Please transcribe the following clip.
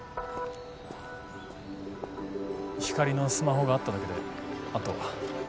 光莉のスマホがあっただけであとは。